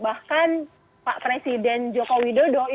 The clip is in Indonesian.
bahkan pak presiden jokowi dodo